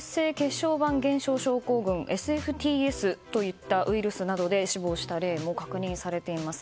小板減少症候群ＳＦＴＳといったウイルスなどで死亡した例も確認されています。